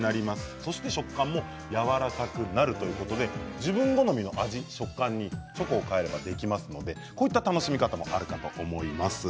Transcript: そして食感もやわらかくなるということで自分好みの味、食感にチョコを変えればできますのでこういう楽しみ方もあるかと思います。